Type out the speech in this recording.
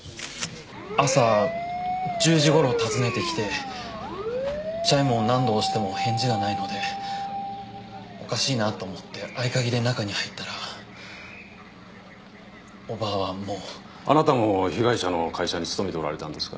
朝１０時頃訪ねてきてチャイムを何度押しても返事がないのでおかしいなと思って合鍵で中に入ったらおばはもうあなたも被害者の会社に勤めておられたんですか？